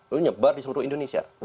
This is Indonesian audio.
itu nyebar di seluruh indonesia